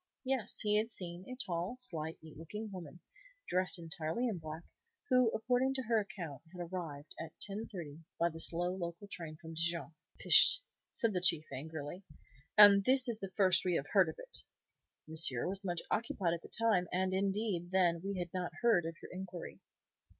Yes, he had seen a tall, slight, neat looking woman, dressed entirely in black, who, according to her account, had arrived at 10.30 by the slow local train from Dijon. "_ Fichtre!_" said the Chief, angrily; "and this is the first we have heard of it." "Monsieur was much occupied at the time, and, indeed, then we had not heard of your inquiry."